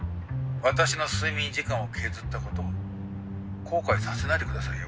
私の睡眠時間を削ったこと後悔させないでくださいよ。